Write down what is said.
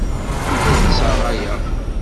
Ur tent-sserɣayeɣ.